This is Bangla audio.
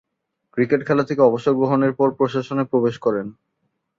ক্রিকেট খেলা থেকে অবসর গ্রহণের পর প্রশাসনে প্রবেশ করেন।